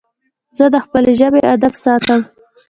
زه د خپلي ژبي ادب ساتم.